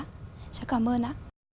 cháu cảm ơn ạ